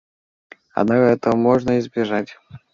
Однако этого можно избежать.